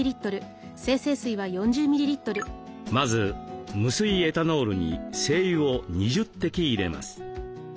まず無水エタノールに精油を２０滴入れます。